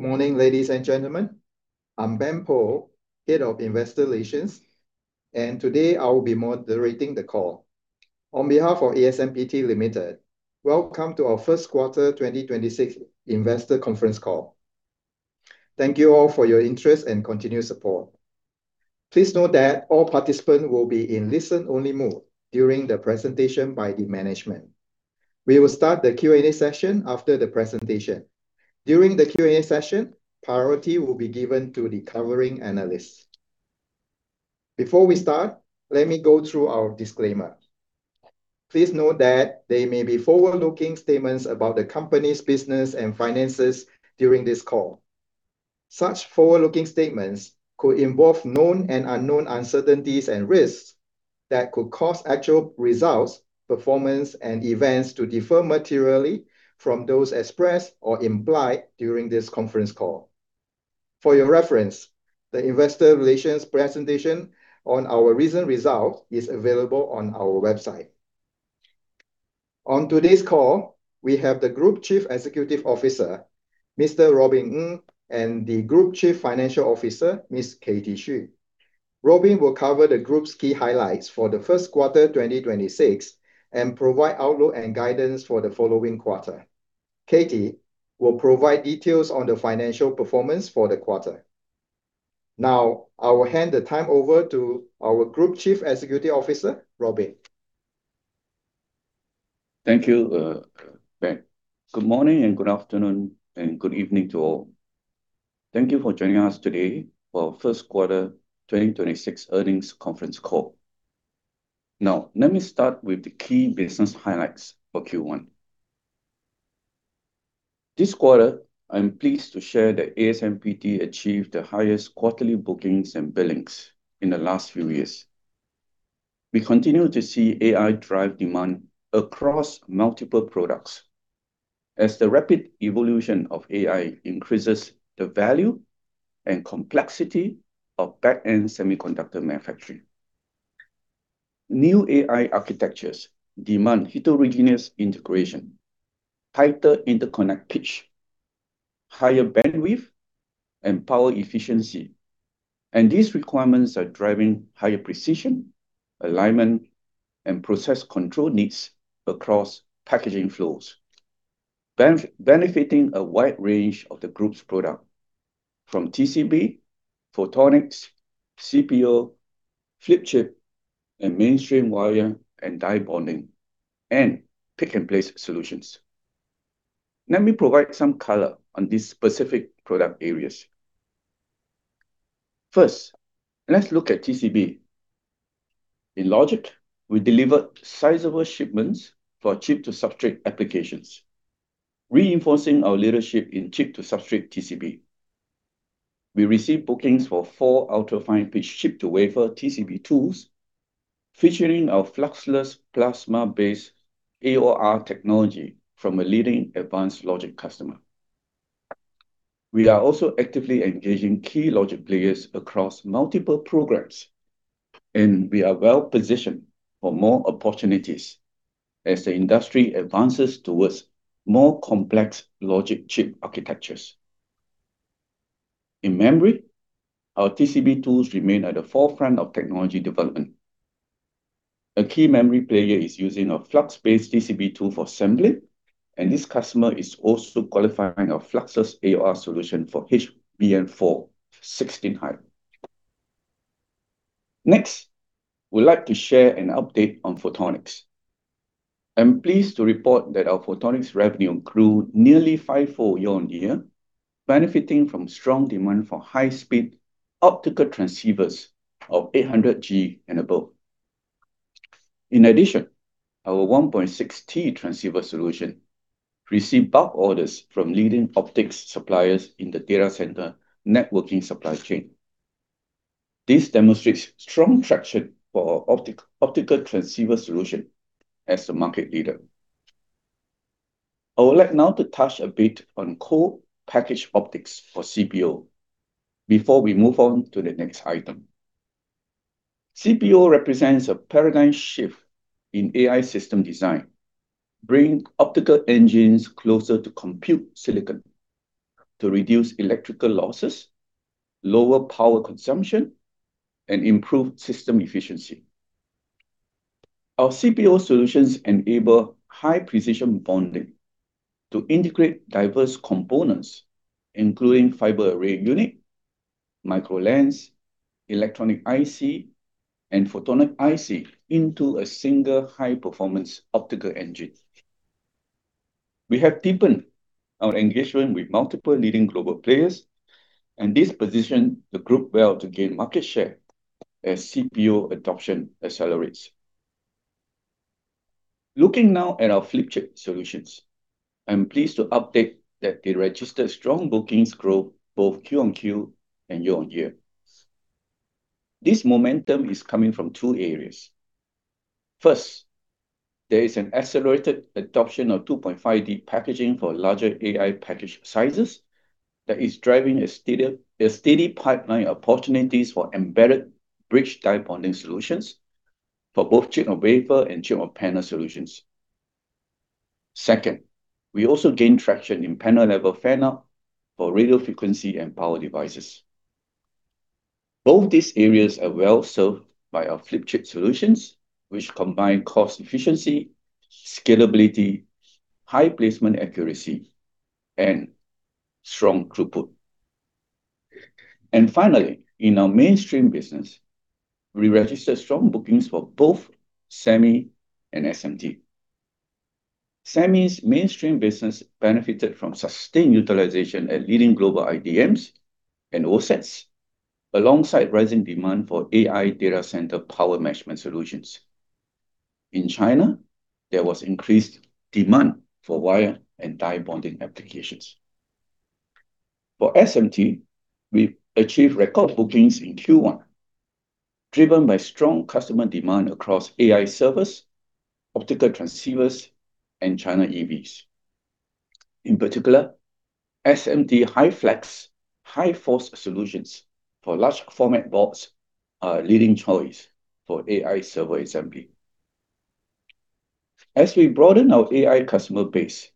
Good morning, ladies and gentlemen. I'm Benjamin Poh, Head of Investor Relations, and today I will be moderating the call. On behalf of ASMPT Limited, welcome to our first quarter 2026 investor conference call. Thank you all for your interest and continued support. Please note that all participants will be in listen-only mode during the presentation by the Management. We will start the Q&A session after the presentation. During the Q&A session, priority will be given to the covering analysts. Before we start, let me go through our disclaimer. Please note that there may be forward-looking statements about the company's business and finances during this call. Such forward-looking statements could involve known and unknown uncertainties and risks that could cause actual results, performance, and events to differ materially from those expressed or implied during this conference call. For your reference, the investor relations presentation on our recent results is available on our website. On today's call, we have the Group Chief Executive Officer, Mr. Robin Ng, and the Group Chief Financial Officer, Ms. Katie Xu. Robin will cover the group's key highlights for the first quarter 2026 and provide outlook and guidance for the following quarter. Katie will provide details on the financial performance for the quarter. Now, I will hand the time over to our Group Chief Executive Officer, Robin. Thank you, Ben. Good morning, and good afternoon, and good evening to all. Thank you for joining us today for our first quarter 2026 earnings conference call. Now, let me start with the key business highlights for Q1. This quarter, I'm pleased to share that ASMPT achieved the highest quarterly bookings and billings in the last few years. We continue to see AI drive demand across multiple products as the rapid evolution of AI increases the value and complexity of back-end semiconductor manufacturing. New AI architectures demand heterogeneous integration, tighter interconnect pitch, higher bandwidth, and power efficiency. These requirements are driving higher precision, alignment, and process control needs across packaging flows, benefiting a wide range of the group's product from TCB, photonics, CPO, flip chip, and mainstream wire and die bonding, and pick-and-place solutions. Let me provide some color on these specific product areas. First, let's look at TCB. In Logic, we delivered sizable shipments for chip-to-substrate applications, reinforcing our leadership in chip-to-substrate TCB. We received bookings for four ultra-fine pitch chip-to-wafer TCB tools featuring our fluxless plasma-based AOR technology from a leading advanced logic customer. We are also actively engaging key logic players across multiple programs, and we are well-positioned for more opportunities as the industry advances towards more complex logic chip architectures. In memory, our TCB tools remain at the forefront of technology development. A key memory player is using a flux-based TCB tool for assembly, and this customer is also qualifying our fluxless AOR solution for HBM4 16-high. Next, we'd like to share an update on Photonics. I'm pleased to report that our Photonics revenue grew nearly five-fold year-over-year, benefiting from strong demand for high-speed optical transceivers of 800 Gb and above. In addition, our 1.6 Tb transceiver solution received bulk orders from leading optics suppliers in the data center networking supply chain. This demonstrates strong traction for our optical transceiver solution as the market leader. I would like now to touch a bit on co-packaged optics for CPO before we move on to the next item. CPO represents a paradigm shift in AI system design, bringing optical engines closer to compute silicon to reduce electrical losses, lower power consumption, and improve system efficiency. Our CPO solutions enable high-precision bonding to integrate diverse components, including fiber array unit, micro lens, electronic IC, and photonic IC into a single high-performance optical engine. We have deepened our engagement with multiple leading global players, and this positions the group well to gain market share as CPO adoption accelerates. Looking now at our flip chip solutions, I'm pleased to update that they registered strong bookings growth both QoQ and year-on-year. This momentum is coming from two areas. First, there is an accelerated adoption of 2.5D packaging for larger AI package sizes that is driving a steady pipeline of opportunities for embedded bridge die bonding solutions for both chip-on-wafer and chip-on-panel solutions. Second, we also gained traction in panel-level fan-out for radio frequency and power devices. Both these areas are well-served by our flip chip solutions, which combine cost efficiency, scalability, high placement accuracy, and strong throughput. Finally, in our mainstream business, we registered strong bookings for both Semi and SMT. Semi's mainstream business benefited from sustained utilization at leading global IDMs and OSATs, alongside rising demand for AI data center power management solutions. In China, there was increased demand for wire and die bonding applications. For SMT, we achieved record bookings in Q1, driven by strong customer demand across AI servers, optical transceivers, and China EVs. In particular, SMT high flex, high force solutions for large format boards are a leading choice for AI server assembly. As we broaden our AI customer base,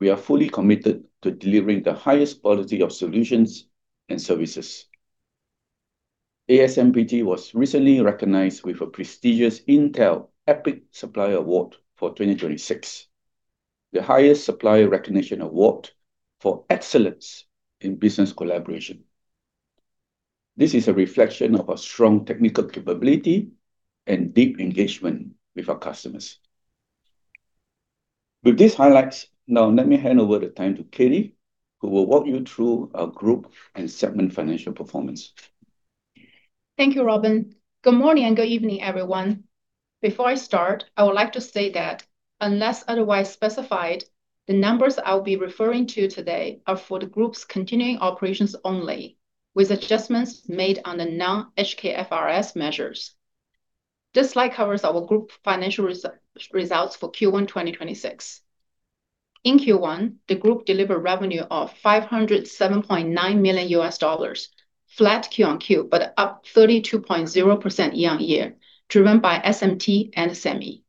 we are fully committed to delivering the highest quality of solutions and services. ASMPT was recently recognized with a prestigious Intel EPIC Supplier Award for 2026, the highest supplier recognition award for excellence in business collaboration. This is a reflection of our strong technical capability and deep engagement with our customers. With these highlights, now let me hand over the time to Katie, who will walk you through our group and segment financial performance. Thank you, Robin. Good morning and good evening, everyone. Before I start, I would like to say that unless otherwise specified, the numbers I'll be referring to today are for the group's continuing operations only, with adjustments made on the non-HKFRS measures. This slide covers our group financial results for Q1 2026. In Q1, the group delivered revenue of $507.9 million, flat QoQ, but up 32.0% year-on-year, driven by SMT and Semi.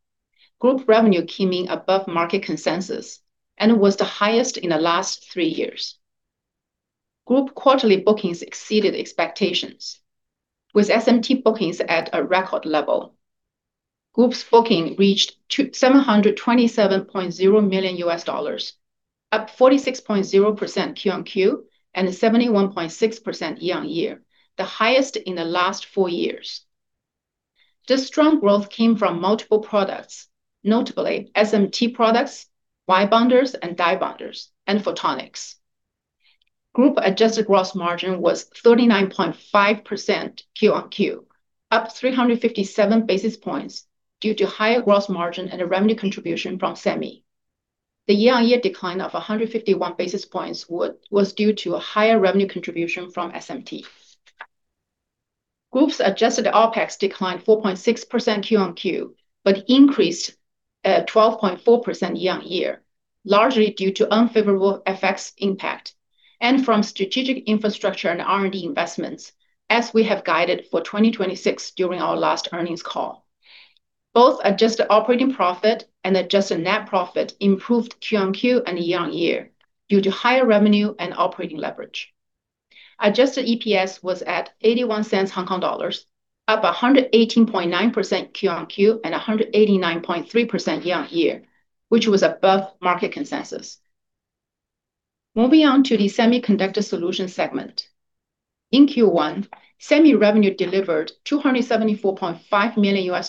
Group revenue came in above market consensus and was the highest in the last three years. Group quarterly bookings exceeded expectations, with SMT bookings at a record level. Group's booking reached $727.0 million, up 46.0% QoQ and 71.6% year-on-year, the highest in the last four years. This strong growth came from multiple products, notably SMT products, wire bonders and die bonders, and Photonics. Group adjusted gross margin was 39.5% QoQ, up 357 basis points due to higher gross margin and revenue contribution from Semi. The year-on-year decline of 151 basis points was due to a higher revenue contribution from SMT. Group's adjusted OpEx declined 4.6% QoQ, but increased at 12.4% year-on-year, largely due to unfavorable FX impact and from strategic infrastructure and R&D investments, as we have guided for 2026 during our last earnings call. Both adjusted operating profit and adjusted net profit improved QoQ and year-on-year due to higher revenue and operating leverage. Adjusted EPS was at 0.81, up 118.9% QoQ and 189.3% year-on-year, which was above market consensus. Moving on to the semiconductor solutions segment. In Q1, Semi revenue delivered $274.5 million,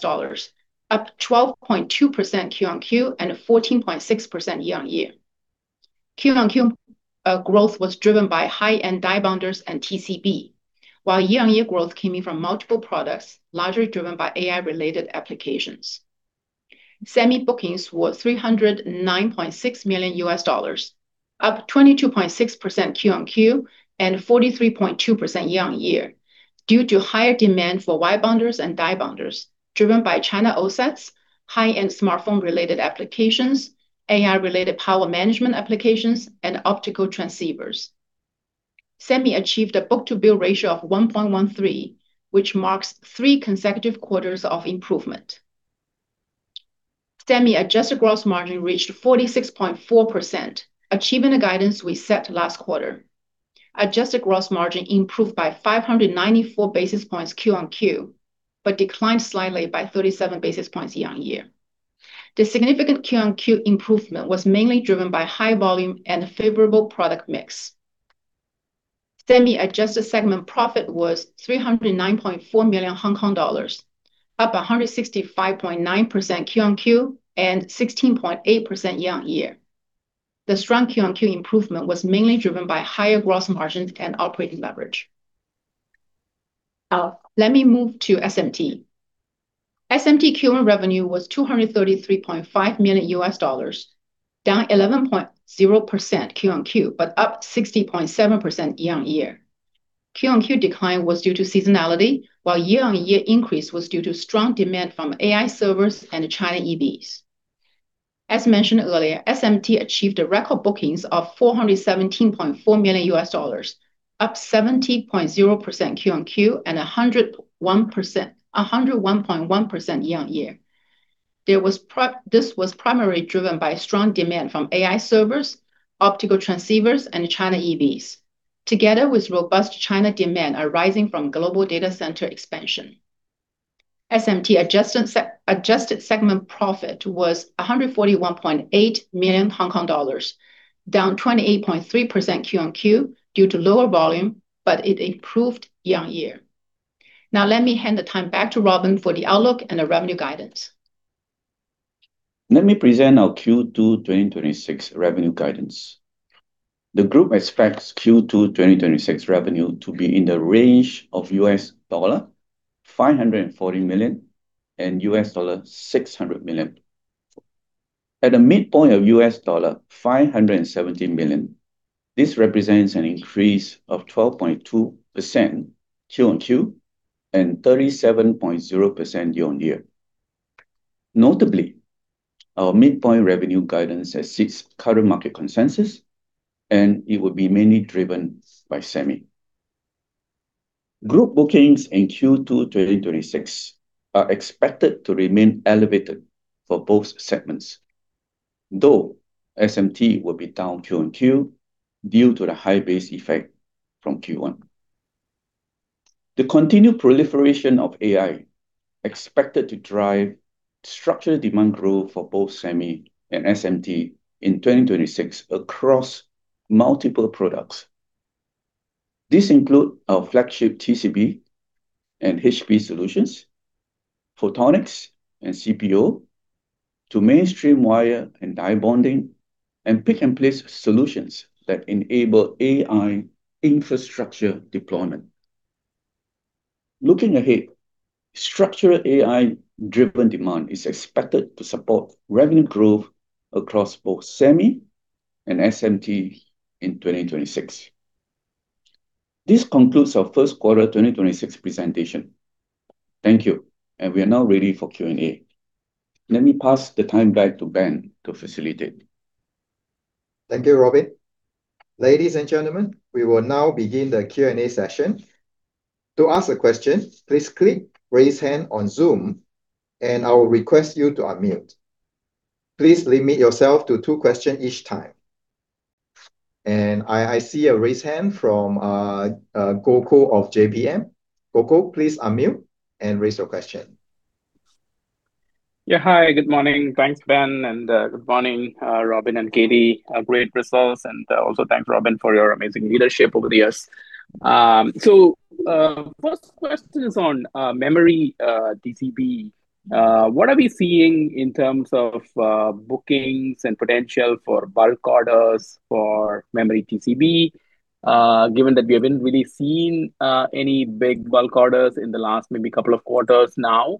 up 12.2% QoQ and 14.6% year-on-year. QoQ growth was driven by high-end die bonders and TCB, while year-on-year growth came in from multiple products, largely driven by AI-related applications. Semi bookings were $309.6 million, up 22.6% QoQ and 43.2% year-on-year due to higher demand for wire bonders and die bonders driven by China OSATs, high-end smartphone-related applications, AI-related power management applications, and optical transceivers. Semi achieved a book-to-bill ratio of 1.13, which marks three consecutive quarters of improvement. Semi-adjusted gross margin reached 46.4%, achieving the guidance we set last quarter. Adjusted gross margin improved by 594 basis points QoQ, but declined slightly by 37 basis points year-on-year. The significant QoQ improvement was mainly driven by high volume and favorable product mix. Semi adjusted segment profit was 309.4 million Hong Kong dollars, up 165.9% QoQ and 16.8% year-on-year. The strong QoQ improvement was mainly driven by higher gross margins and operating leverage. Now, let me move to SMT. SMT Q1 revenue was $233.5 million, down 11.0% QoQ, but up 60.7% year-on-year. QoQ decline was due to seasonality, while year-on-year increase was due to strong demand from AI servers and China EVs. As mentioned earlier, SMT achieved a record bookings of $417.4 million, up 70.0% QoQ and 101.1% year-on-year. This was primarily driven by strong demand from AI servers, optical transceivers, and China EVs, together with robust China demand arising from global data center expansion. SMT adjusted segment profit was 141.8 million Hong Kong dollars, down 28.3% QoQ due to lower volume, but it improved year-on-year. Now, let me hand the time back to Robin for the outlook and the revenue guidance. Let me present our Q2 2026 revenue guidance. The group expects Q2 2026 revenue to be in the range of $540 million-$600 million. At a midpoint of $570 million, this represents an increase of 12.2% QoQ and 37.0% year-on-year. Notably, our midpoint revenue guidance exceeds current market consensus, and it will be mainly driven by semi. Group bookings in Q2 2026 are expected to remain elevated for both segments, though SMT will be down QoQ due to the high base effect from Q1. The continued proliferation of AI expected to drive structural demand growth for both semi and SMT in 2026 across multiple products. This include our flagship TCB and HP solutions, photonics and CPO, to mainstream wire and die bonding, and pick and place solutions that enable AI infrastructure deployment. Looking ahead, structural AI-driven demand is expected to support revenue growth across both semi and SMT in 2026. This concludes our first quarter 2026 presentation. Thank you, and we are now ready for Q&A. Let me pass the time back to Ben to facilitate. Thank you, Robin. Ladies and gentlemen, we will now begin the Q&A session. To ask a question, please click Raise Hand on Zoom, and I will request you to unmute. Please limit yourself to two questions each time. I see a raised hand from Gokul of JPM. Gokul, please unmute and ask your question. Yeah. Hi, good morning. Thanks, Ben, and good morning, Robin and Katie. Great results, and also thanks, Robin, for your amazing leadership over the years. First question is on memory TCB. What are we seeing in terms of bookings and potential for bulk orders for memory TCB, given that we haven't really seen any big bulk orders in the last maybe couple of quarters now?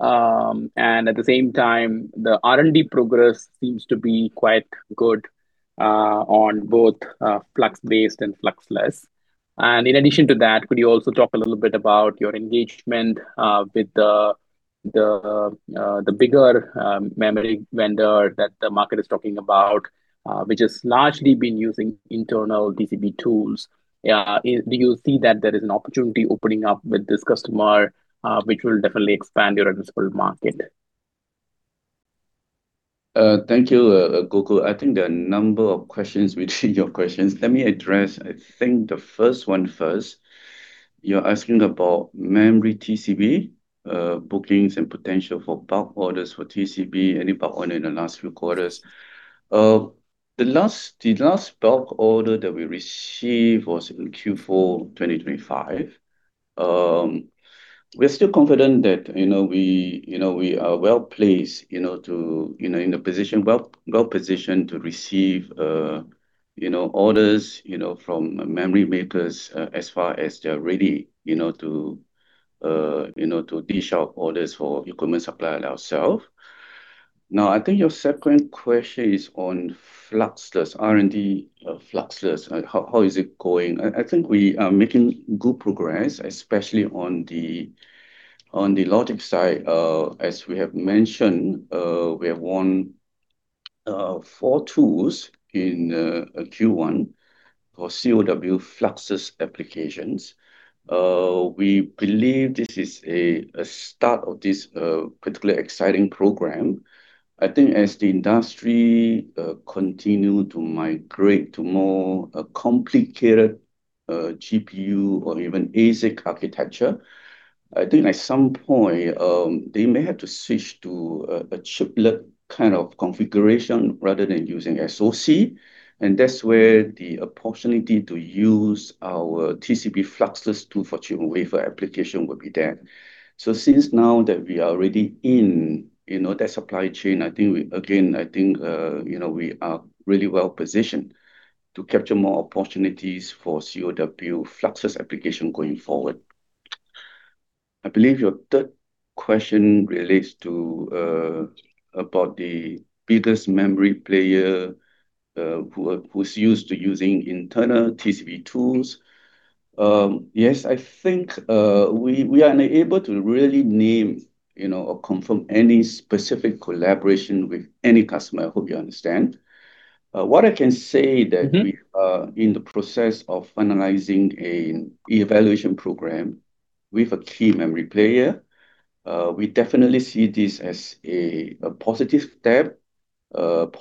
And at the same time, the R&D progress seems to be quite good on both flux-based and fluxless. And in addition to that, could you also talk a little bit about your engagement with the bigger memory vendor that the market is talking about, which has largely been using internal TCB tools? Do you see that there is an opportunity opening up with this customer, which will definitely expand your addressable market? Thank you, Gokul. I think there are a number of questions within your questions. Let me address, I think, the first one first. You're asking about memory TCB bookings and potential for bulk orders for TCB, any bulk order in the last few quarters. The last bulk order that we received was in Q4 2025. We're still confident that we are well-placed, well-positioned to receive orders from memory makers as far as they are ready to dish out orders for equipment supplier ourselves. Now, I think your second question is on R&D fluxless. How is it going? I think we are making good progress, especially on the logic side. As we have mentioned, we have won four tools in Q1 for CoW fluxless applications. We believe this is a start of this particularly exciting program. I think as the industry continues to migrate to more complicated GPU or even ASIC architecture, I think at some point, they may have to switch to a chiplet kind of configuration rather than using SoC. That's where the opportunity to use our TCB fluxless tool for chip-to-wafer application will be there. Since now that we are already in that supply chain, again, I think we are really well-positioned to capture more opportunities for CoW fluxless application going forward. I believe your third question relates to about the biggest memory player who's used to using internal TCB tools. Yes, I think we are unable to really name or confirm any specific collaboration with any customer. I hope you understand. What I can say that- Mm-hmm We are in the process of finalizing an evaluation program with a key memory player. We definitely see this as a positive step,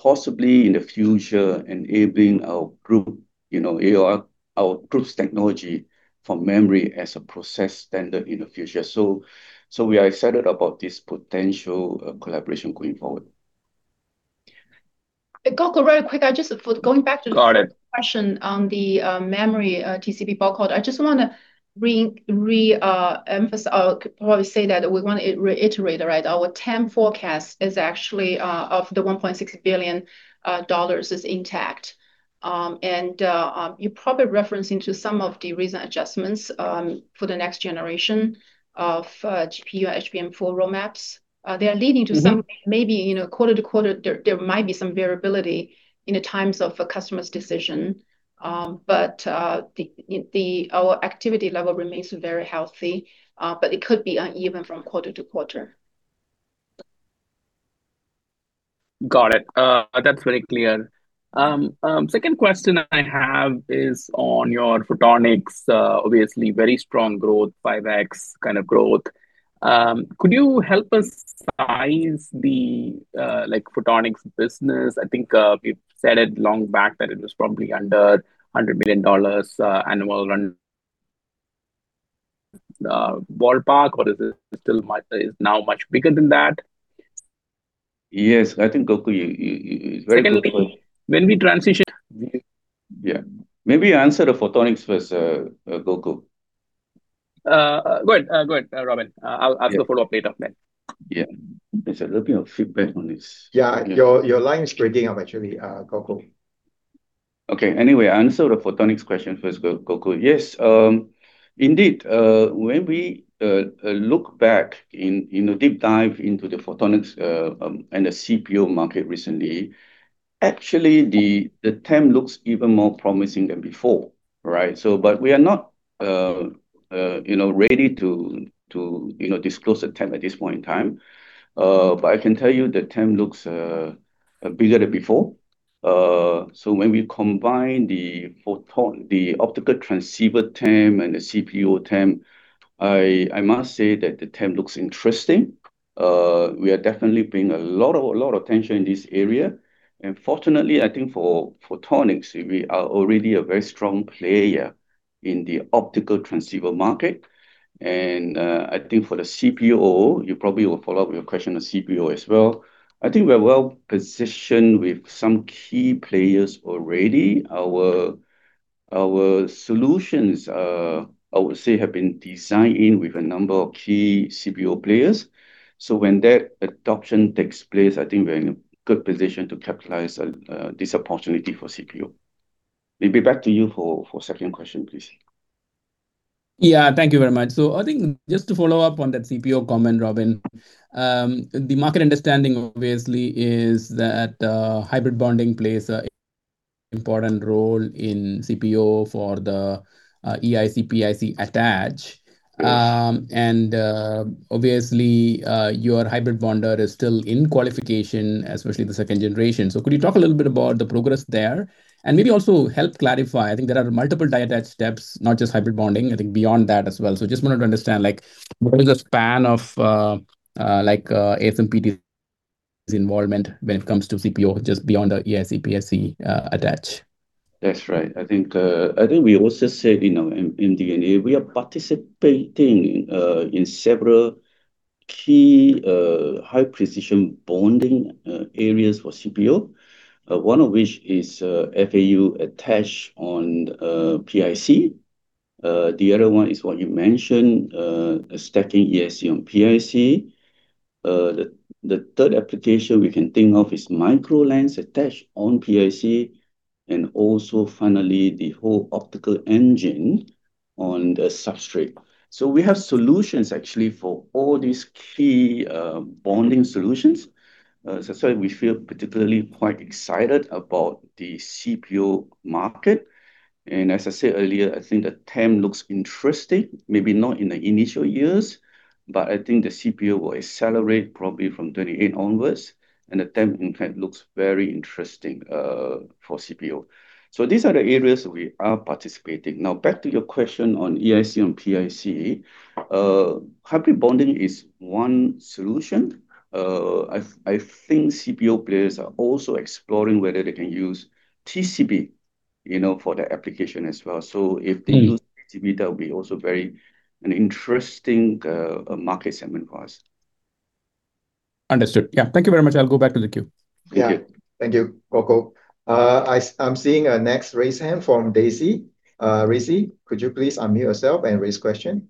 possibly in the future enabling our group's technology for memory as a process standard in the future. We are excited about this potential collaboration going forward. Gokul, really quick, just going back to the. Got it. Question on the memory TCB bulk order. I just want to re-emphasize, or probably say that we want to reiterate, our TAM forecast is actually of the $1.6 billion is intact. You're probably referring to some of the recent adjustments for the next generation of GPU HBM4 roadmaps. They're leading to some Mm-hmm maybe quarter-to-quarter, there might be some variability in the times of a customer's decision. Our activity level remains very healthy, but it could be uneven from quarter to quarter. Got it. That's very clear. Second question I have is on your photonics, obviously very strong growth, 5x kind of growth. Could you help us size the photonics business? I think you said it long back that it was probably under $100 million annual run. Ballpark, or is it now much bigger than that? Yes. I think, Gokul, you- Secondly, when we transition. Yeah. Maybe answer the photonics first, Gokul. Go ahead, Robin. I'll ask a follow-up later then. Yeah. There's a little bit of feedback on this. Yeah. Your line is breaking up, actually, Gokul. Okay. Anyway, I answer the photonics question first, Gokul. Yes. Indeed, when we look back in a deep dive into the photonics and the CPO market recently, actually, the TAM looks even more promising than before, right? We are not ready to disclose the TAM at this point in time. I can tell you the TAM looks bigger than before. When we combine the optical transceiver TAM and the CPO TAM, I must say that the TAM looks interesting. We are definitely paying a lot of attention in this area. Fortunately, I think for photonics, we are already a very strong player in the optical transceiver market. I think for the CPO, you probably will follow up with a question on CPO as well. I think we're well-positioned with some key players already. Our solutions, I would say, have been designed in with a number of key CPO players. When that adoption takes place, I think we're in a good position to capitalize this opportunity for CPO. Maybe back to you for second question, please. Yeah. Thank you very much. I think just to follow up on that CPO comment, Robin, the market understanding obviously is that hybrid bonding plays an important role in CPO for the EIC, PIC attach. Yes. Obviously, your hybrid bonder is still in qualification, especially the second generation. Could you talk a little bit about the progress there? Maybe also help clarify, I think there are multiple die attach steps, not just hybrid bonding, I think beyond that as well. Just wanted to understand, what is the span of ASMPT's involvement when it comes to CPO, just beyond the EIC, PIC attach? That's right. I think we also said in the [AMICRA], we are participating in several key high-precision bonding areas for CPO. One of which is FAU attach on PIC. The other one is what you mentioned, stacking EIC on PIC. The third application we can think of is micro lens attach on PIC, and also finally the whole optical engine on the substrate. We have solutions actually for all these key bonding solutions. As I said, we feel particularly quite excited about the CPO market. As I said earlier, I think the TAM looks interesting, maybe not in the initial years, but I think the CPO will accelerate probably from 2028 onwards, and the TAM impact looks very interesting for CPO. These are the areas we are participating. Now back to your question on EIC and PIC. Hybrid bonding is one solution. I think CPO players are also exploring whether they can use TCB for their application as well. If they use TCB, that will also be a very interesting market segment for us. Understood. Yeah. Thank you very much. I'll go back to the queue. Thank you Gokul. I'm seeing a next raised hand from Daisy. Daisy, could you please unmute yourself and raise question?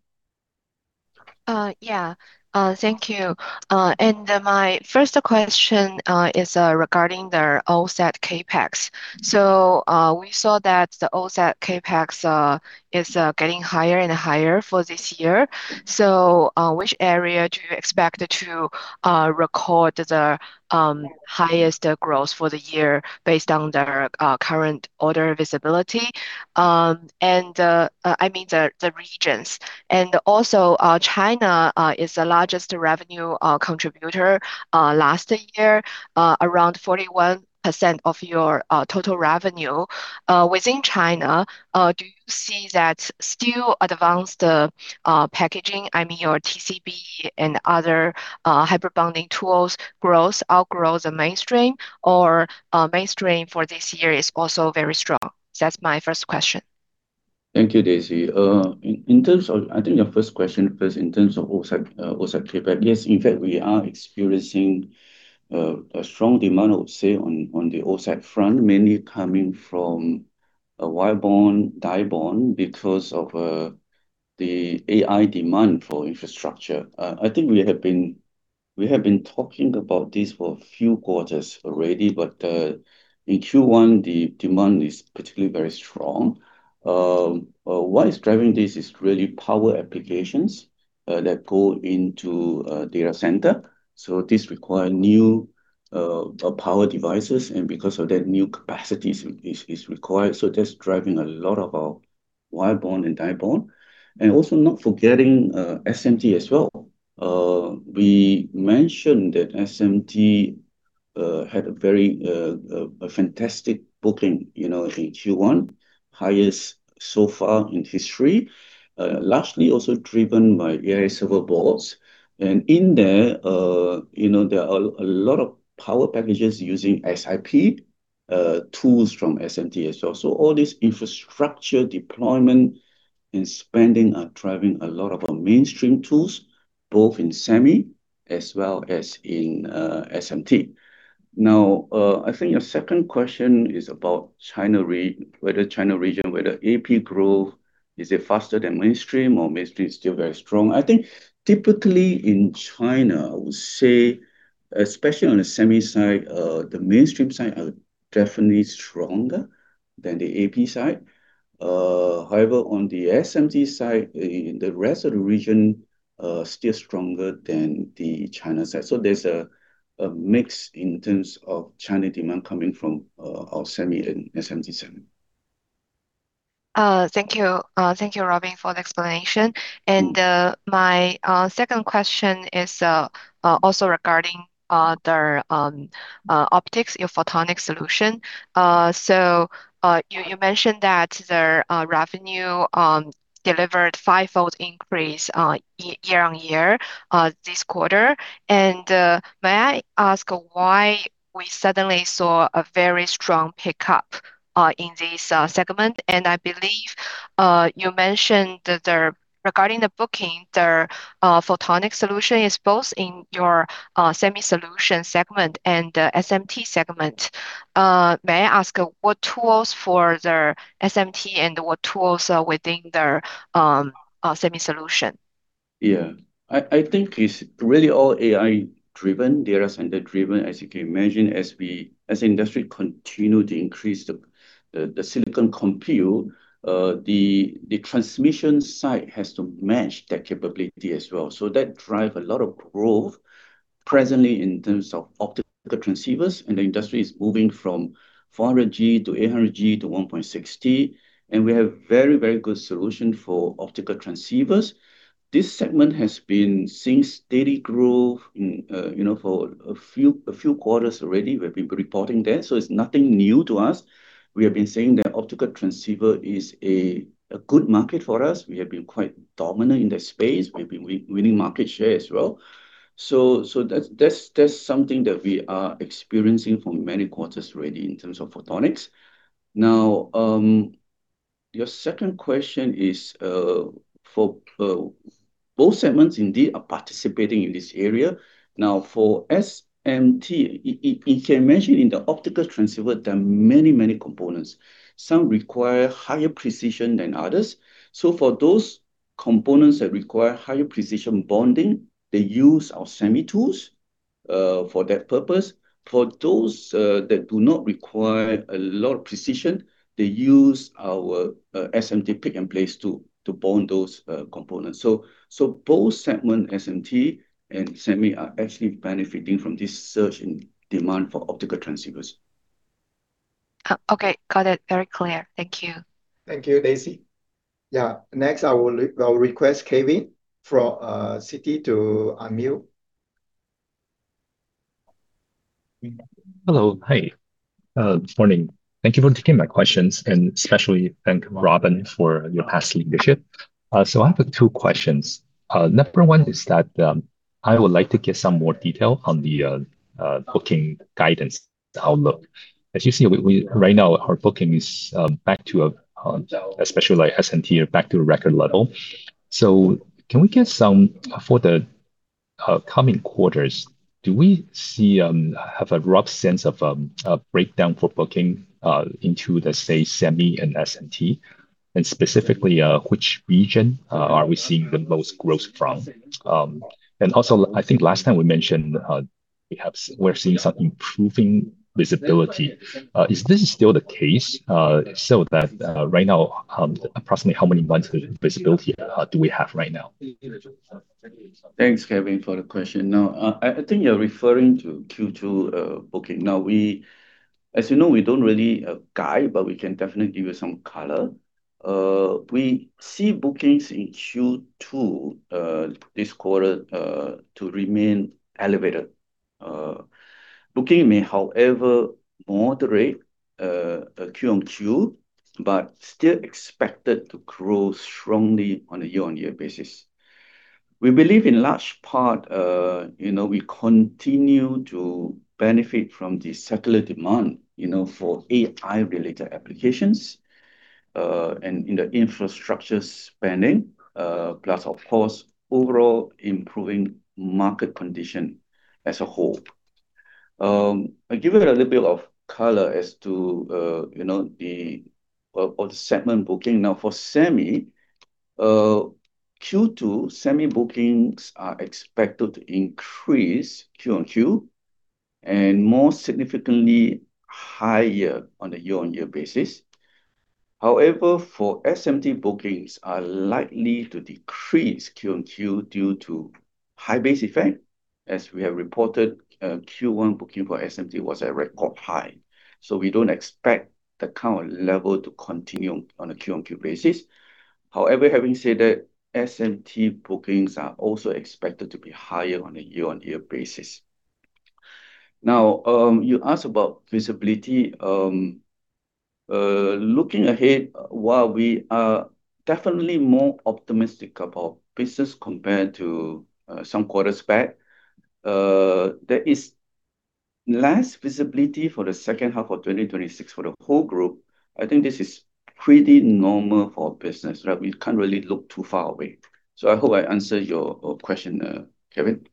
Yeah. Thank you. My first question is regarding the OSAT CapEx. We saw that the OSAT CapEx is getting higher and higher for this year. Which area do you expect to record the highest growth for the year based on the current order visibility? I mean the regions. Also, China is the largest revenue contributor. Last year, around 41% of your total revenue. Within China, do you see that still advanced packaging, I mean, your TCB and other Hybrid Bonding tools outgrow the mainstream, or mainstream for this year is also very strong? That's my first question. Thank you, Daisy. I think your first question first in terms of OSAT CapEx. Yes, in fact, we are experiencing a strong demand, I would say, on the OSAT front, mainly coming from a wire bond, die bond, because of the AI demand for infrastructure. I think we have been talking about this for a few quarters already, but in Q1, the demand is particularly very strong. What is driving this is really power applications that go into data center. This require new power devices, and because of that, new capacities is required. That's driving a lot of our wire bond and die bond, and also not forgetting SMT as well. We mentioned that SMT had a fantastic booking in Q1, highest so far in history. Largely also driven by AI server boards. In there are a lot of power packages using SiP tools from SMT as well. All this infrastructure deployment and spending are driving a lot of our mainstream tools, both in semi as well as in SMT. Now, I think your second question is about whether China region, whether AP growth, is it faster than mainstream or mainstream is still very strong. I think typically in China, I would say, especially on the semi side, the mainstream side are definitely stronger than the AP side. However, on the SMT side, the rest of the region still stronger than the China side. There's a mix in terms of China demand coming from our semi and SMT segment. Thank you, Robin, for the explanation. My second question is also regarding the optics, your Photonic solution. You mentioned that the revenue delivered fivefold increase year-over-year this quarter. I believe you mentioned that regarding the booking, the photonic solution is both in your semi solution segment and the SMT segment. May I ask what tools for the SMT and what tools are within the semi solution? Yeah. I think it's really all AI driven, data center driven, as you can imagine, as the industry continue to increase the silicon compute, the transmission side has to match that capability as well. That drive a lot of growth presently in terms of optical transceivers, and the industry is moving from 400 Gb to 800 Gb to 1.6 Tb, and we have very good solution for optical transceivers. This segment has been seeing steady growth for a few quarters already. We've been reporting that, so it's nothing new to us. We have been saying that optical transceiver is a good market for us. We have been quite dominant in that space. We've been winning market share as well. That's something that we are experiencing for many quarters already in terms of photonics. Now, your second question is for both segments indeed are participating in this area. Now, for SMT, you can mention in the optical transceiver, there are many components. Some require higher precision than others. For those components that require higher precision bonding, they use our Semi tools for that purpose. For those that do not require a lot of precision, they use our SMT pick and place to bond those components. Both segment, SMT and Semi, are actually benefiting from this surge in demand for optical transceivers. Okay, got it. Very clear. Thank you. Thank you, Daisy. Yeah. Next, I will request Kevin from Citi to unmute. Hello. Hey, morning. Thank you for taking my questions, and especially thank Robin Ng for your past leadership. I have two questions. Number one is that I would like to get some more detail on the booking guidance outlook. As you see, right now our booking is back to, especially like SMT, are back to a record level. Can we get some coming quarters, do we have a rough sense of a breakdown for booking into, let's say, Semi and SMT? And specifically, which region are we seeing the most growth from? And also, I think last time we mentioned we're seeing some improving visibility. Is this still the case? Right now, approximately how many months of visibility do we have right now? Thanks, Kevin, for the question. Now, I think you're referring to Q2 booking. Now, as you know, we don't really guide, but we can definitely give you some color. We see bookings in Q2, this quarter, to remain elevated. Bookings may, however, moderate QoQ, but still expected to grow strongly on a year-on-year basis. We believe in large part, we continue to benefit from the secular demand for AI-related applications, and in the infrastructure spending, plus of course, overall improving market condition as a whole. I'll give you a little bit of color as to the segment booking now for Semi. Q2 Semi bookings are expected to increase QoQ, and more significantly higher on a year-on-year basis. However, for SMT, bookings are likely to decrease QoQ due to high-base effect. As we have reported, Q1 booking for SMT was at record high, so we don't expect the current level to continue on a QoQ basis. However, having said that, SMT bookings are also expected to be higher on a year-on-year basis. Now, you asked about visibility. Looking ahead, while we are definitely more optimistic about business compared to some quarters back, there is less visibility for the second half of 2026 for the whole group. I think this is pretty normal for business, right? We can't really look too far away. I hope I answered your question, Kevin.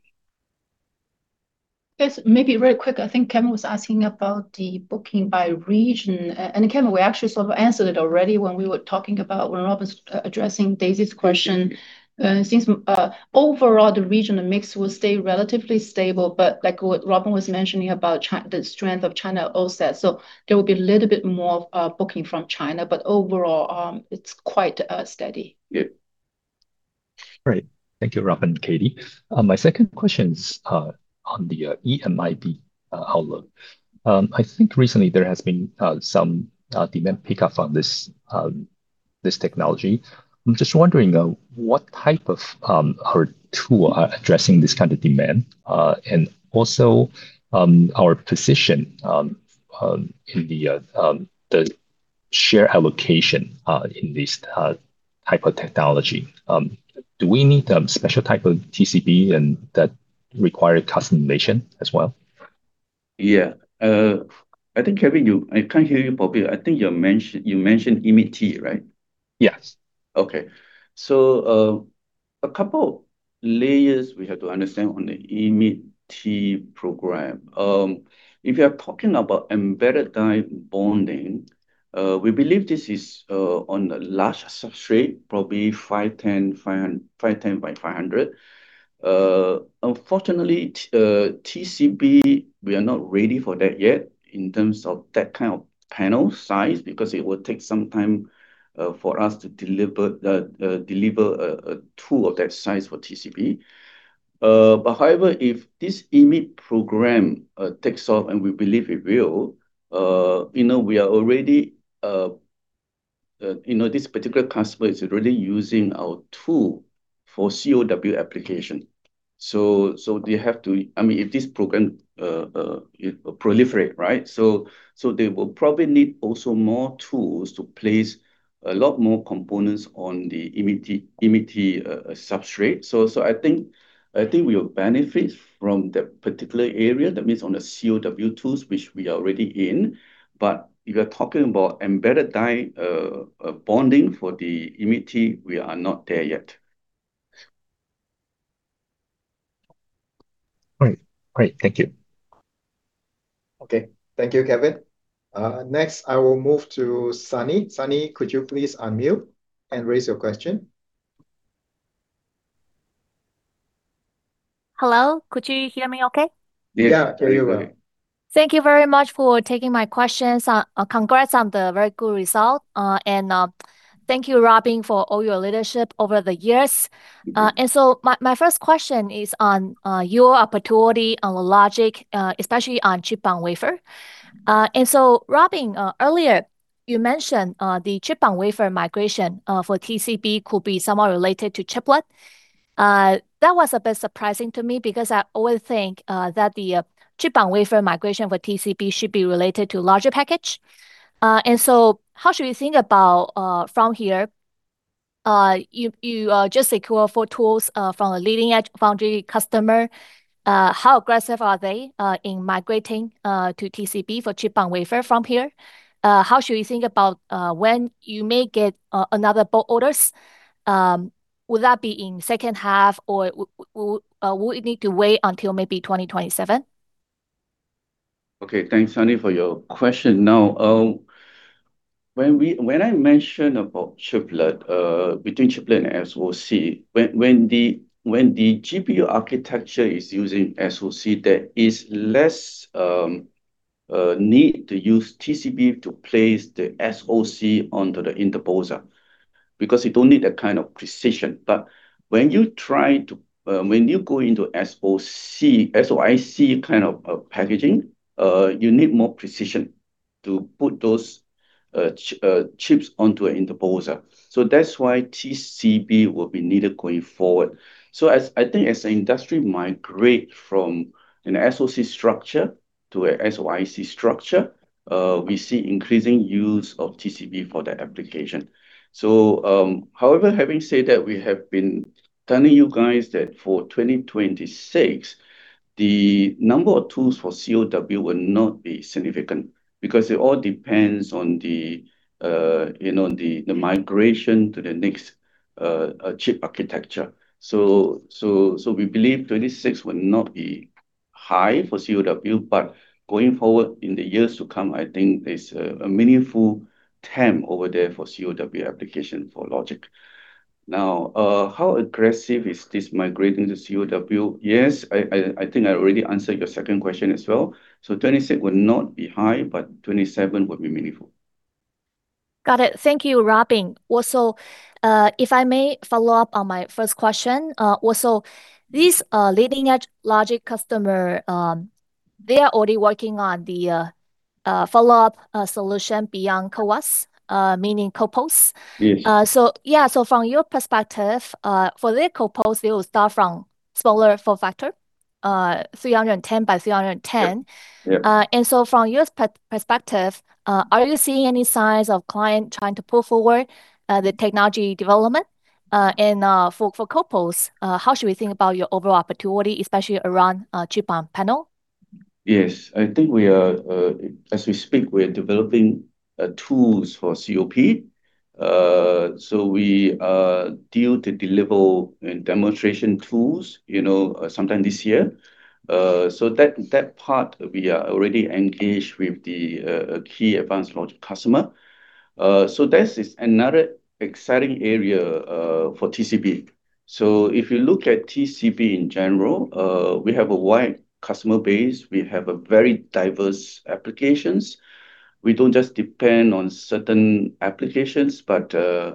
Yes, maybe really quick, I think Kevin was asking about the booking by region. Kevin, we actually sort of answered it already when we were talking about when Robin’s addressing Daisy’s question. Since overall the regional mix will stay relatively stable, but like what Robin was mentioning about the strength of China offsets, so there will be a little bit more of booking from China. Overall, it’s quite steady. Yeah. Great. Thank you, Robin and Katie. My second question is on the EMIB outlook. I think recently there has been some demand pickup on this technology. I'm just wondering what type of tool are addressing this kind of demand. And also our position in the share allocation in this type of technology. Do we need a special type of TCB and that require customization as well? Yeah. I think, Kevin, I can't hear you properly. I think you mentioned EMIB, right? Yes. Okay. A couple layers we have to understand on the EMIB program. If you are talking about embedded die bonding, we believe this is on the large substrate, probably 510 mm x 500 mm. Unfortunately, TCB, we are not ready for that yet in terms of that kind of panel size, because it would take some time for us to deliver a tool of that size for TCB. However, if this EMIB program takes off, and we believe it will, this particular customer is already using our tool for CoW application. If this program proliferate, right? They will probably need also more tools to place a lot more components on the EMIB substrate. I think we will benefit from that particular area, that means on the CoW tools, which we are already in. If you are talking about embedded die bonding for the EMIB, we are not there yet. Great. Thank you. Okay. Thank you, Kevin. Next I will move to Sunny. Sunny, could you please unmute and raise your question? Hello, could you hear me okay? Yeah, very well. Thank you very much for taking my questions. Congrats on the very good result. Thank you, Robin, for all your leadership over the years. My first question is on your opportunity on the logic, especially on chip-on-wafer. Robin, earlier you mentioned the chip-on-wafer migration for TCB could be somehow related to chiplet. That was a bit surprising to me because I always think that the chip-on-wafer migration for TCB should be related to larger package. How should we think about from here? You just secured four tools from a leading-edge foundry customer. How aggressive are they in migrating to TCB for chip-on-wafer from here? How should we think about when you may get another bulk orders? Will that be in second half, or would it need to wait until maybe 2027? Okay. Thanks, Sunny, for your question. Now, when I mention about between chiplet and SoC, when the GPU architecture is using SoC, there is less need to use TCB to place the SoC onto the interposer, because you don't need that kind of precision. When you go into SoIC kind of packaging, you need more precision to put those chips onto a interposer. That's why TCB will be needed going forward. I think as the industry migrate from an SoC structure to a SoIC structure, we see increasing use of TCB for that application. However, having said that, we have been telling you guys that for 2026, the number of tools for CoW will not be significant because it all depends on the migration to the next chip architecture. We believe 2026 will not be high for CoW, but going forward in the years to come, I think there's a meaningful TAM over there for CoW application for logic. Now, how aggressive is this migrating to CoW? Yes, I think I already answered your second question as well. 2026 will not be high, but 2027 would be meaningful. Got it. Thank you, Robin. If I may follow up on my first question, these leading-edge logic customers are already working on the follow-up solution beyond CoWoS, meaning CoPoS. Yes. From your perspective, for their CoPoS, they will start from smaller form factor, 310 mm x 310 mm. Yes. From your perspective, are you seeing any signs of clients trying to pull forward the technology development? For CoPoS, how should we think about your overall opportunity, especially around Chip-on-Panel? Yes. I think as we speak, we are developing tools for CoP. We aim to deliver demonstration tools sometime this year. That part, we are already engaged with the key advanced logic customer. This is another exciting area for TCB. If you look at TCB in general, we have a wide customer base. We have very diverse applications. We don't just depend on certain applications, but a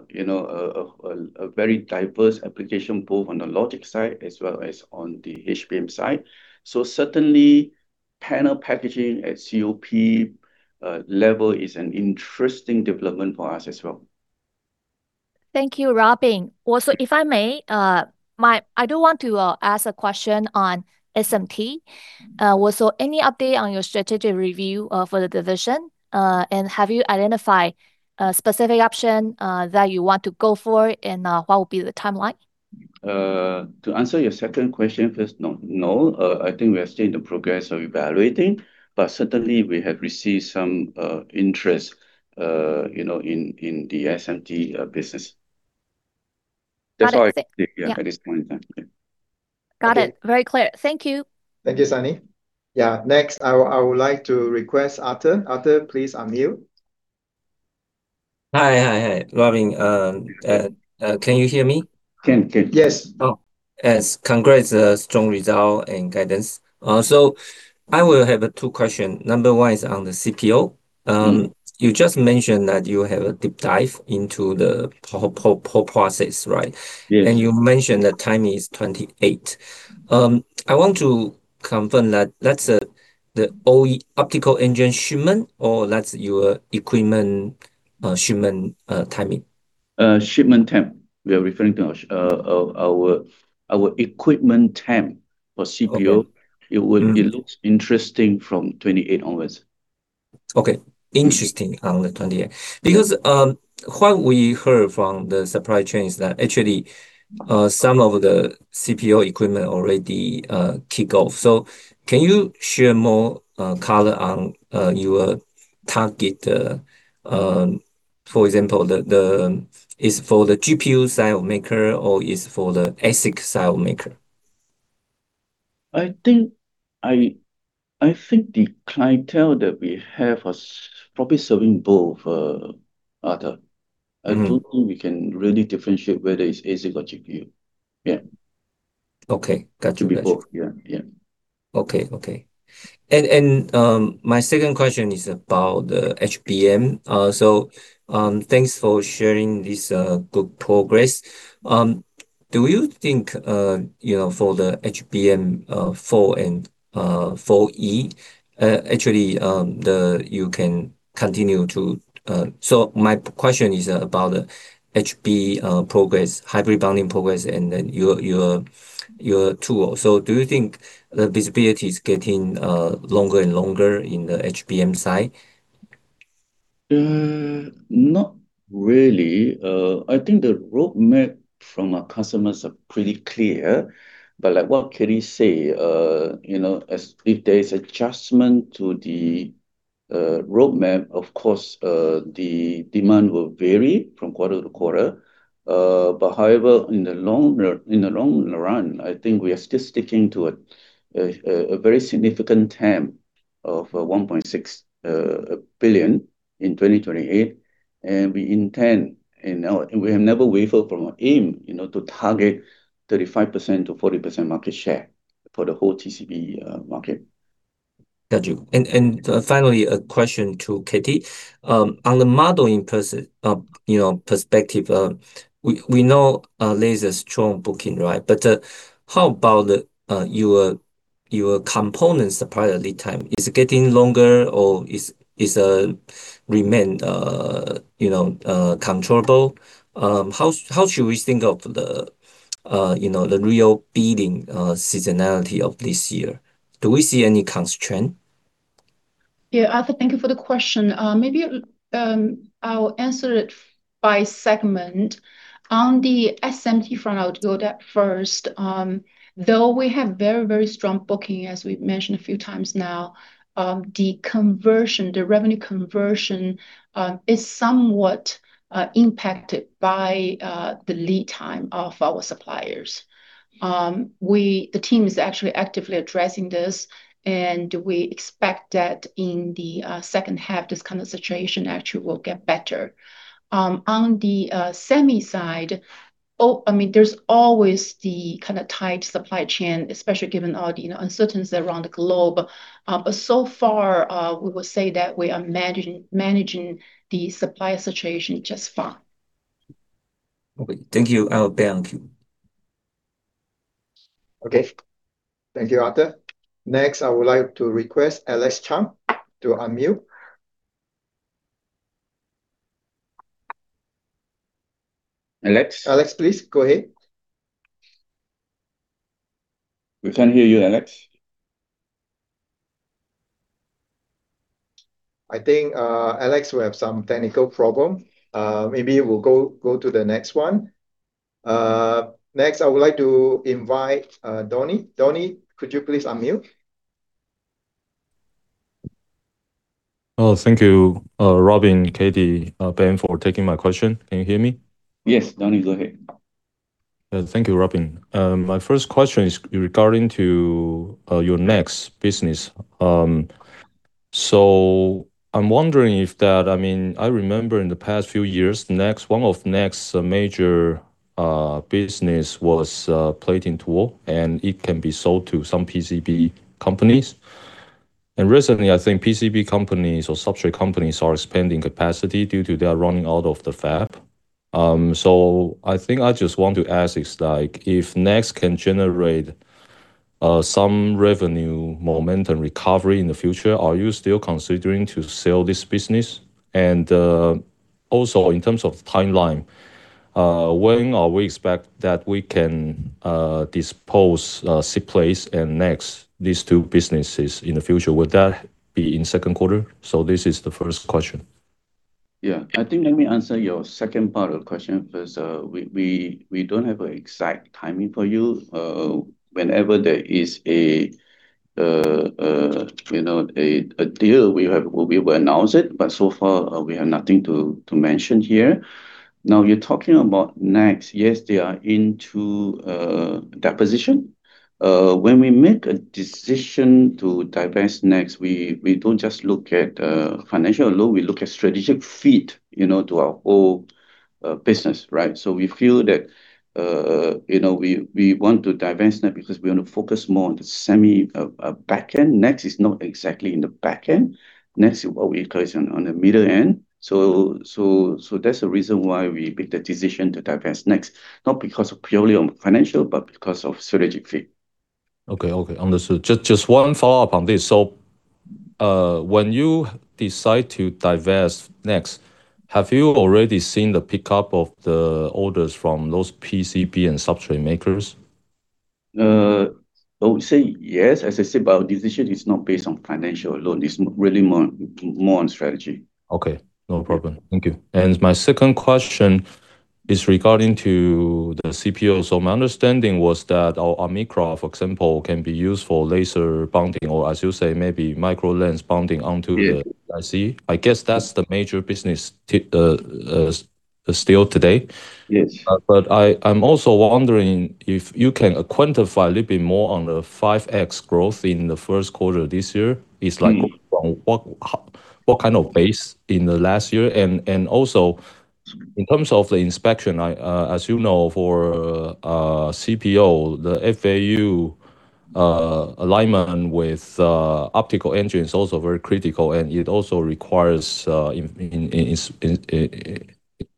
very diverse application, both on the logic side as well as on the HBM side. Certainly, panel packaging at CoP level is an interesting development for us as well. Thank you, Robin. Also, if I may, I do want to ask a question on SMT. Also, any update on your strategic review for the division? Have you identified a specific option that you want to go for, and what will be the timeline? To answer your second question first, no. I think we are still in the process of evaluating, but certainly, we have received some interest in the SMT business. Got it. That's all I can say, yeah, at this point in time. Yeah. Got it. Very clear. Thank you. Thank you, Sunny. Yeah. Next, I would like to request Arthur. Arthur, please unmute. Hi. Robin, can you hear me? Can. Yes. Oh, yes. Congrats. Strong result and guidance. I will have two questions. Number one is on the CPO. You just mentioned that you have a deep dive into the whole process, right? Yes. You mentioned the timing is 2028. I want to confirm that that's the OE optical engine shipment, or that's your equipment shipment timing? Shipment temp. We are referring to our equipment temp for CPO. Okay. It looks interesting from 2028 onwards. Okay. Interesting on the 2028. Because what we heard from the supply chain is that actually, some of the CPO equipment already kick off. Can you share more color on your target? For example, is for the GPU style maker or is for the ASIC style maker? I think the clientele that we have is probably serving both, Arthur. Mm-hmm. I don't think we can really differentiate whether it's ASIC or GPU. Yeah. Okay. Got you. Could be both. Yeah. Okay. My second question is about HBM. Thanks for sharing this good progress. Do you think, for the HBM4 and 4E, my question is about HBM progress, Hybrid Bonding progress, and then your tool. Do you think the visibility is getting longer and longer in the HBM side? Not really. I think the roadmap from our customers are pretty clear. Like what Katie say, if there is adjustment to the roadmap, of course, the demand will vary from quarter to quarter. However, in the long run, I think we are still sticking to a very significant TAM of $1.6 billion in 2028. We intend, and we have never wavered from our aim, to target 35%-40% market share for the whole TCB market. Got you. Finally, a question to Katie. On the modeling perspective, we know there's a strong booking, right? How about your components supply lead time? Is it getting longer or does it remain controllable? How should we think of the real billing seasonality of this year? Do we see any constraint? Yeah, Arthur, thank you for the question. Maybe I'll answer it by segment. On the SMT front, I'll go with that first. Though we have very strong bookings, as we've mentioned a few times now, the revenue conversion is somewhat impacted by the lead time of our suppliers. The team is actually actively addressing this, and we expect that in the second half, this kind of situation actually will get better. On the semi side, there's always the kind of tight supply chain, especially given all the uncertainty around the globe. So far, we would say that we are managing the supply situation just fine. Okay. Thank you. Now Ben. Okay. Thank you, Arthur. Next, I would like to request Alex Chang to unmute. Alex, please go ahead. We can't hear you, Alex. I think Alex will have some technical problem. Maybe we'll go to the next one. Next, I would like to invite Donnie. Donnie, could you please unmute? Oh, thank you, Robin, Katie, Ben, for taking my question. Can you hear me? Yes. Donnie, go ahead. Thank you, Robin. My first question is regarding to your NEXX business. I'm wondering if that, I mean, I remember in the past few years, one of NEXX's major business was plating tool, and it can be sold to some PCB companies. Recently, I think PCB companies or substrate companies are expanding capacity due to their running out of the fab. I think I just want to ask is like, if NEXX can generate some revenue momentum recovery in the future, are you still considering to sell this business? Also in terms of timeline, when are we expect that we can dispose of SIPLACE and NEXX, these two businesses in the future? Would that be in second quarter? This is the first question. Yeah. I think, let me answer your second part of the question first. We don't have an exact timing for you. Whenever there is a deal, we will announce it. So far, we have nothing to mention here. Now you're talking about NEXX. Yes, they are into deposition. When we make a decision to divest NEXX, we don't just look at financial alone. We look at strategic fit to our whole business, right? We feel that we want to divest NEXX because we want to focus more on the semi back end. NEXX is not exactly in the back end. NEXX operates on the middle end. That's the reason why we made the decision to divest NEXX, not because of purely financial, but because of strategic fit. Okay. Understood. Just one follow-up on this. When you decide to divest NEXX, have you already seen the pickup of the orders from those PCB and substrate makers? I would say yes, as I said, but our decision is not based on financial alone. It's really more on strategy. Okay. No problem. Thank you. My second question is regarding to the CPO. My understanding was that our AMICRA, for example, can be used for laser bonding or, as you say, maybe micro lens bonding onto the IC. I guess that's the major business still today. Yes. I'm also wondering if you can quantify a little bit more on the 5x growth in the first quarter this year. Is like what kind of base in the last year? Also in terms of the inspection, as you know, for CPO, the FAU alignment with optical engine is also very critical and it also requires an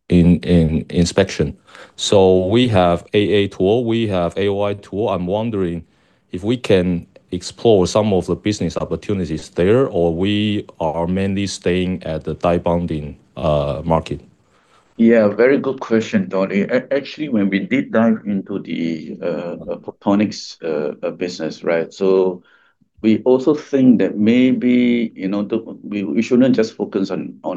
inspection. We have AA tool, we have AI tool. I'm wondering if we can explore some of the business opportunities there, or we are mainly staying at the die bonding market? Yeah, very good question, Donnie. Actually, when we did dive into the Photonics business, right? We also think that maybe we shouldn't just focus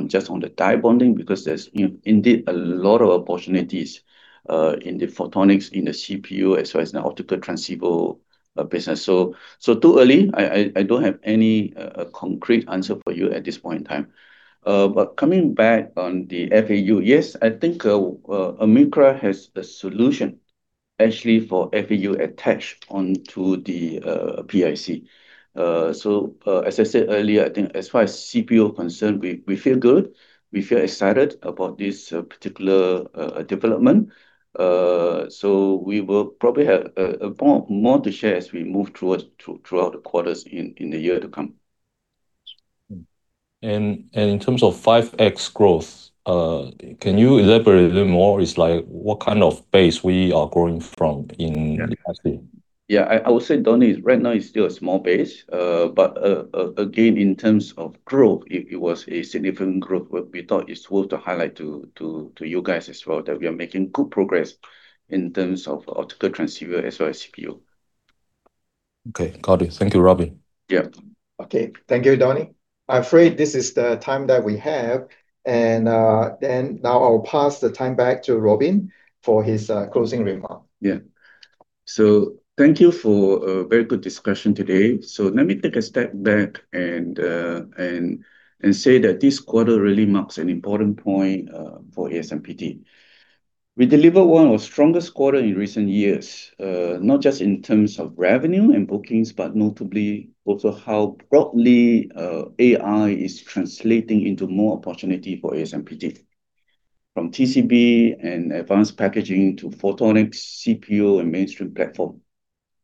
just on the die bonding because there's indeed a lot of opportunities in the photonics, in the CPU, as well as in the optical transceiver business. Too early, I don't have any concrete answer for you at this point in time. Coming back on the FAU, yes, I think AMICRA has a solution actually for FAU attached onto the PIC. As I said earlier, I think as far as CPO concerned, we feel good. We feel excited about this particular development. We will probably have more to share as we move throughout the quarters in the year to come. In terms of 5x growth, can you elaborate a little more? It's like what kind of base we are growing from in the past year? Yeah. I would say, Donnie, right now it's still a small base. Again, in terms of growth, it was a significant growth. We thought it's worth to highlight to you guys as well that we are making good progress in terms of optical transceiver as well as CPO. Okay, got it. Thank you, Robin. Yep. Okay. Thank you, Donnie. I'm afraid this is the time that we have. Now I'll pass the time back to Robin for his closing remark. Yeah. Thank you for a very good discussion today. Let me take a step back and say that this quarter really marks an important point for ASMPT. We delivered one of our strongest quarter in recent years, not just in terms of revenue and bookings, but notably also how broadly AI is translating into more opportunity for ASMPT. From TCB and advanced packaging to photonics, CPO and mainstream platform,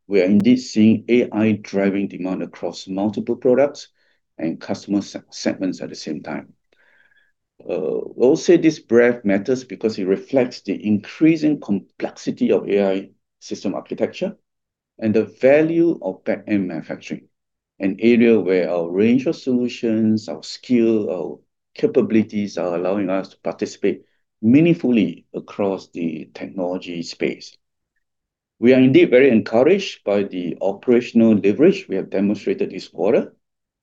we are indeed seeing AI driving demand across multiple products and customer segments at the same time. I will say this breadth matters because it reflects the increasing complexity of AI system architecture and the value of back-end manufacturing, an area where our range of solutions, our skill, our capabilities are allowing us to participate meaningfully across the technology space. We are indeed very encouraged by the operational leverage we have demonstrated this quarter.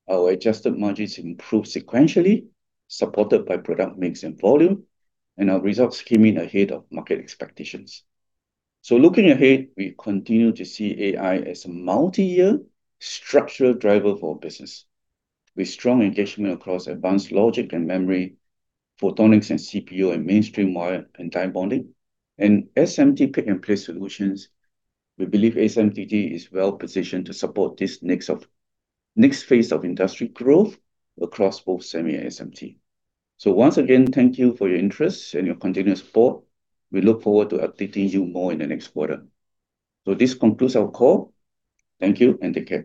Our adjusted margins improved sequentially, supported by product mix and volume, and our results came in ahead of market expectations. Looking ahead, we continue to see AI as a multi-year structural driver for our business. With strong engagement across advanced logic and memory, photonics and CPO and mainstream wire and die bonding, and SMT pick-and-place solutions, we believe ASMPT is well positioned to support this next phase of industry growth across both semi and SMT. Once again, thank you for your interest and your continuous support. We look forward to updating you more in the next quarter. This concludes our call. Thank you and take care.